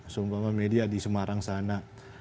sumpah sumpah media di semarang sana